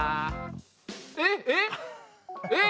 えっえっ！？